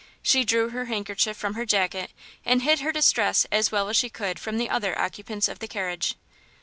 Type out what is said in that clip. She drew her handkerchief from her jacket, and hid her distress as well as she could from the other occupants of the carriage.